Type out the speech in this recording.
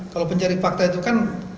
kalau pencari fakta itu kan